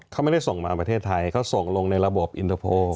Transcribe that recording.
เขาไม่ได้ส่งมาประเทศไทยเขาส่งลงในระบบอินเตอร์โพล